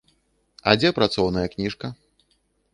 А дзе працоўная кніжка?